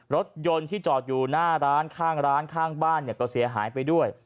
รถยนต์ที่จอดอยู่หน้าร้านข้างร้านข้างบ้านเนี่ยก็เสียหายไปด้วย